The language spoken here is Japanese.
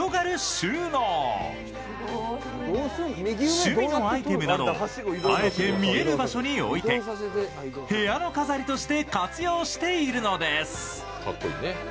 趣味のアイテムなどをあえて見える場所に置いて部屋の飾りとして活用しているのです。